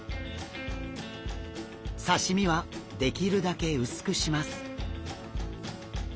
刺身はできるだけ薄くします。